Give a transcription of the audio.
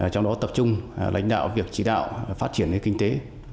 trong đó tập trung lãnh đạo việc chỉ đạo phát triển kinh tế